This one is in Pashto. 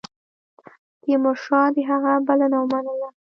تیمورشاه د هغه بلنه ومنله.